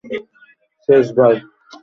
শেষ, ভাই!